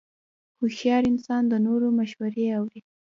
هوښیار انسان د نورو مشورې اوري.